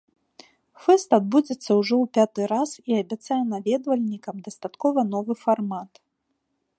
Фэст адбудзецца ўжо ў пяты раз і абяцае наведвальнікам дастаткова новы фармат.